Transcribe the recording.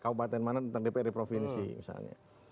kabupaten mana tentang dpr di provinsi misalnya